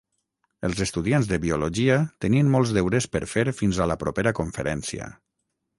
Els estudiants de biologia tenien molts deures per fer fins a la propera conferència.